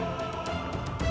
mari nanda prabu